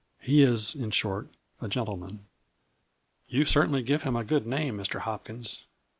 He is, in short, a gentleman." "You certainly give him a good name, Mr. Hopkins.